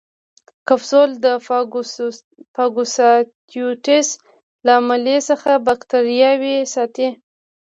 کپسول د فاګوسایټوسس له عملیې څخه باکتریاوې ساتي.